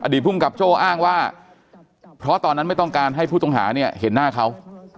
ภูมิกับโจ้อ้างว่าเพราะตอนนั้นไม่ต้องการให้ผู้ต้องหาเนี่ยเห็นหน้าเขา